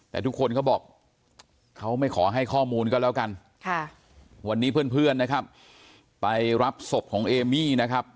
แต่ทุกคนเขาบอกเขาไม่ขอให้ข้อมูลก็แล้วกันวันนี้เพื่อนนะครับไปรับศพของเอมี่นะครับ